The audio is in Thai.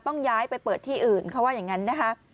ต้องย้ายไปเปิดที่อื่นเขาว่าอย่างนั้นนะคะ